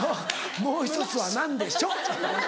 もう１つは何でしょう？